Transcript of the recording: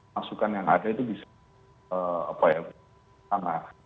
masukan yang ada itu bisa apa ya